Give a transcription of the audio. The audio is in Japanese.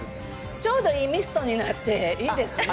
ちょうどいいミストになって、いいですね。